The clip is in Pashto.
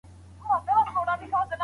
د واټن ساتلو لاري چاري کومي دي؟